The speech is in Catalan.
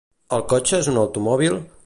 El cotxe és un automòbil?